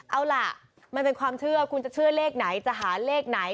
เอาล่ะมันเป็นความเชื่อคุณจะเชื่อเลขไหนจะหาเลขไหน